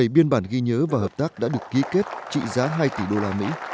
một mươi biên bản ghi nhớ và hợp tác đã được ký kết trị giá hai tỷ đô la mỹ